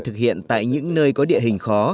thực hiện tại những nơi có địa hình khó